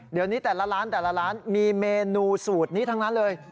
เดี๋ยวนี้แต่ละร้านมีเมนูสูตรนี้ทั้งนั้นเลย